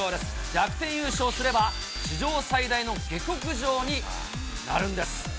逆転優勝すれば、史上最大の下剋上になるんです。